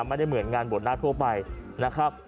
ไม่เหมือนกับงานโบสถ์น่ะทั่วไปนะครับ